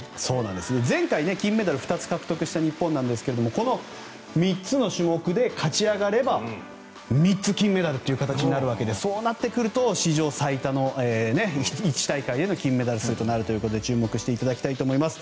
前回、金メダルを２つ獲得した日本なんですがこの３つの種目を勝ち上がれば３つ金メダルという形になるわけでそうなってくると史上最多の１大会での金メダル数となるということで注目していただきたいと思います。